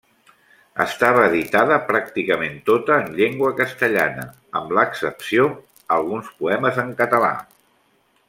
Estava editada pràcticament tota en llengua castellana, amb l'excepció alguns poemes en català.